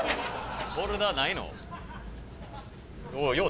ホルダーないの？